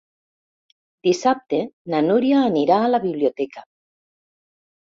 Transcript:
Dissabte na Núria anirà a la biblioteca.